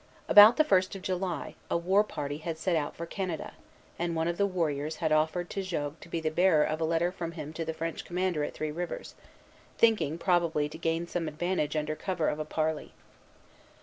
About the first of July, a war party had set out for Canada, and one of the warriors had offered to Jogues to be the bearer of a letter from him to the French commander at Three Rivers, thinking probably to gain some advantage under cover of a parley.